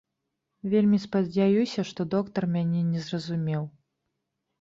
Вельмі спадзяюся, што доктар мяне не зразумеў.